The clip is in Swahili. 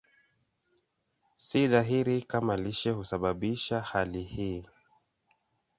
Si dhahiri kama lishe husababisha hali hii.